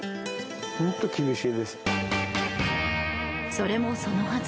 それも、そのはず。